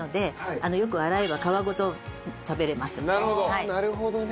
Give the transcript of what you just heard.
ああなるほどね。